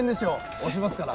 押しますから。